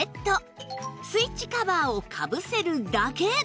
スイッチカバーをかぶせるだけ！